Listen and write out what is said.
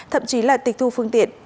thậm chí là tịch thu phương tiện